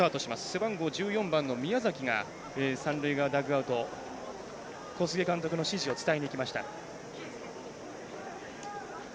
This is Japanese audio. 背番号１４番の宮崎が三塁側ダッグアウト小菅監督の指示を伝えにいきました。